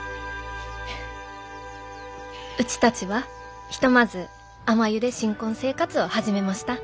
「うちたちはひとまずあまゆで新婚生活を始めました。